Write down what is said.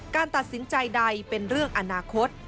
การตัดสินใจใดเป็นเรื่องอนาคต